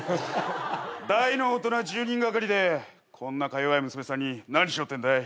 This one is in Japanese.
大の大人１０人がかりでこんなか弱い娘さんに何しよってんだい？